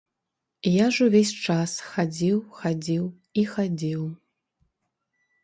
Я ж увесь час хадзіў, хадзіў і хадзіў.